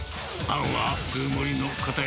あんは普通盛りのかた